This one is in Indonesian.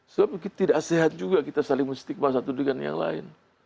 sebab mungkin tidak sehat juga kita saling menstigma satu dengan yang lain